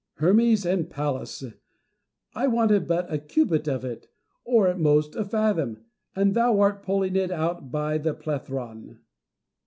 Diogenes. Hermes and Pallas ! I wanted but a cubit of it, or at most a fathom, and thou art pulling it out by the plethron.